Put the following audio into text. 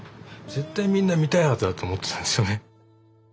絶対みんな見たいはずだと思ってたんですよね。